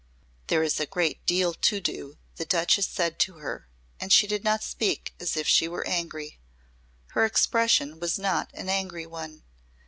"There is a great deal to do," the Duchess said to her and she did not speak as if she were angry. Her expression was not an angry one.